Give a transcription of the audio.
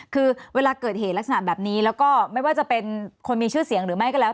คือเวลาเกิดเหตุลักษณะแบบนี้แล้วก็ไม่ว่าจะเป็นคนมีชื่อเสียงหรือไม่ก็แล้ว